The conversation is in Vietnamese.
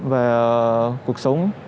về cuộc sống